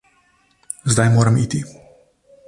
Zdaj moram iti.